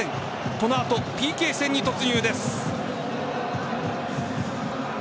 この後、ＰＫ戦に突入です。